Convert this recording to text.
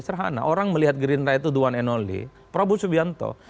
sederhana orang melihat gerindra itu duan enoli prabowo subianto